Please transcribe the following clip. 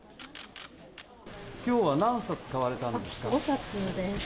きょうは何冊買われたんです５冊です。